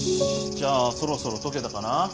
じゃあそろそろ解けたかな？